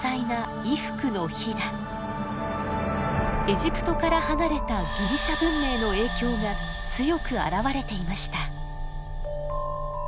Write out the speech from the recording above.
エジプトから離れたギリシャ文明の影響が強く表れていました。